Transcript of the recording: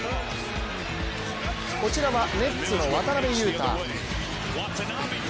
こちらはネッツの渡邊雄太。